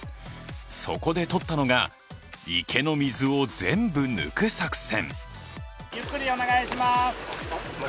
そこでとったのが池の水を全部抜く作戦。